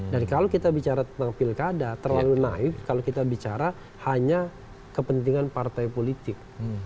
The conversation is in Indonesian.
dan kalau kita bicara tentang pilkada terlalu naif kalau kita bicara hanya kepentingan partai politik